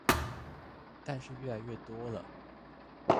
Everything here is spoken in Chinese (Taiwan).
但是越來越多了